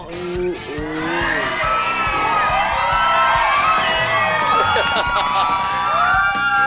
อู้อู้